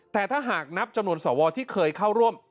แต่ถ้าหากนับจำนวนสวที่เคยเข้าร่วม